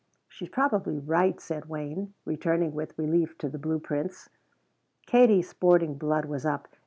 "She's probably right," said Wayne, returning with relief to the blue prints. Katie's sporting blood was up.